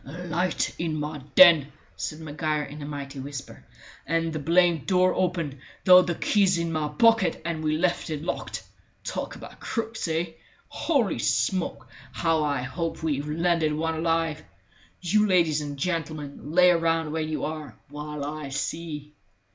"A light in my den," said Maguire in a mighty whisper, "and the blamed door open, though the key's in my pocket and we left it locked! Talk about crooks, eh? Holy smoke, how I hope we've landed one alive! You ladies and gentlemen, lay round where you are, while I see."